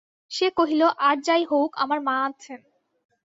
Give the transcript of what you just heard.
সে কহিল, আর যাই হউক, আমার মা আছেন।